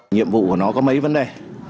nhiệm vụ của nó có mấy vấn đề